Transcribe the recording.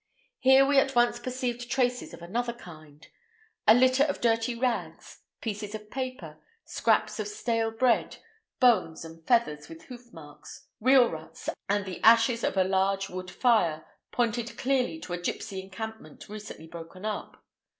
Here we at once perceived traces of another kind. A litter of dirty rags, pieces of paper, scraps of stale bread, bones and feathers, with hoof marks, wheel ruts, and the ashes of a large wood fire, pointed clearly to a gipsy encampment recently broken up.